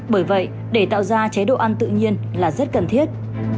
bởi vậy để tạo ra chế độ ăn tự nhiên là rất cần thiết